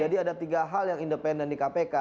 jadi ada tiga hal yang independen di kpk